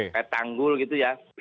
petanggul gitu ya